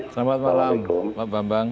selamat malam pak bambang